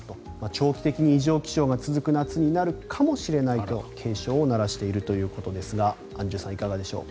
長期的に異常気象が続く夏になるかもしれないと警鐘を鳴らしているということですがアンジュさん、いかがでしょう。